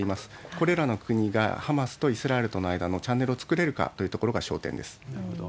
これらの国がハマスとイスラエルとの間のチャンネルを作れるかとなるほど。